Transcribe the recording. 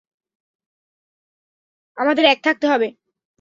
আমাদের এক থাকতে হবে।